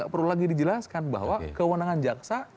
perlu lagi dijelaskan bahwa kewenangan jaksa